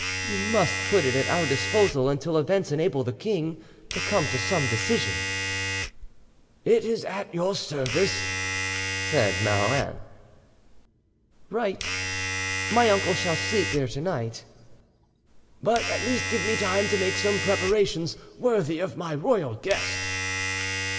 You must put it at our disposal until events enable the king to come to some decision." "It is at your service," said Marouin. "Right. My uncle shall sleep there to night." "But at least give me time to make some preparations worthy of my royal guest."